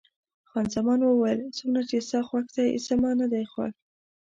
خان زمان وویل: څومره چې ستا خوښ دی، زما نه دی خوښ.